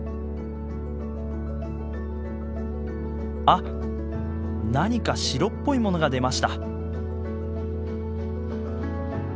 あっ何か白っぽいものが出ました。